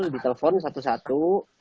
di telpon satu satu